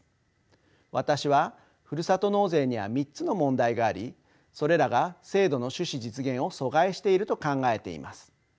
私はふるさと納税には３つの問題がありそれらが制度の趣旨実現を阻害していると考えています。